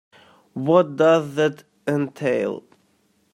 What does that entail?